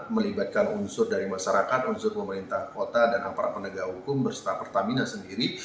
melibatkan unsur dari masyarakat unsur pemerintah kota dan para pendagang hukum bersama pertamina sendiri